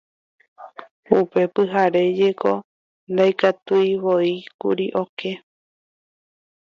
Upe pyhare jeko ndaikatuivoíkuri oke